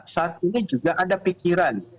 saat ini juga ada pikiran